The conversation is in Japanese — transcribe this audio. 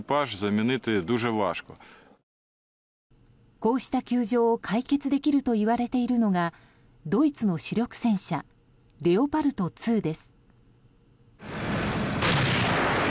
こうした窮状を解決できるといわれているのがドイツの主力戦車レオパルト２です。